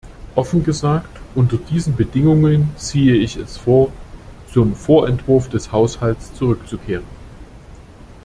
Offen gesagt, unter diesen Bedingungen ziehe ich es vor, zum Vorentwurf des Haushalts zurückzukehren.